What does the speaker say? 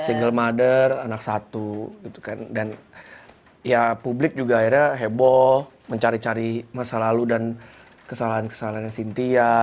single mother anak satu gitu kan dan ya publik juga akhirnya heboh mencari cari masa lalu dan kesalahan kesalahan yang sintia